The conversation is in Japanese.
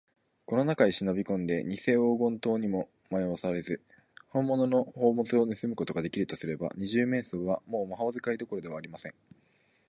この中へしのびこんで、にせ黄金塔にもまよわされず、ほんものの宝物をぬすむことができるとすれば、二十面相は、もう魔法使いどころではありません。